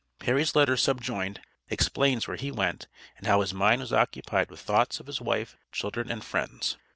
Perry's letter subjoined, explains where he went, and how his mind was occupied with thoughts of his wife, children and friends.